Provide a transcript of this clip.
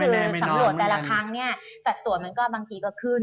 คือสำรวจแต่ละครั้งเนี่ยสัดส่วนมันก็บางทีก็ขึ้น